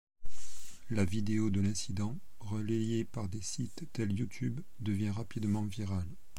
La vidéo de l'incident, relayée par des sites tels YouTube, devient rapidement virale.